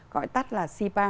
gọi tắt là